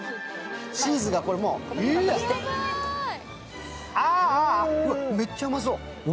チーズが、これ、もうめっちゃうまそう！